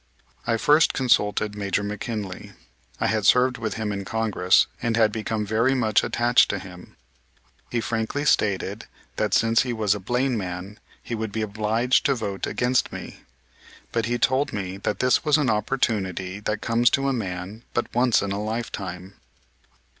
I first consulted Major McKinley. I had served with him in Congress and had become very much attached to him. He frankly stated that, since he was a Blaine man, he would be obliged to vote against me, but he told me that this was an opportunity that comes to a man but once in a lifetime.